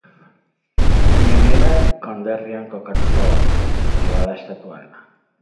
Mineral konderrian kokatuta dago, Nevada estatuan.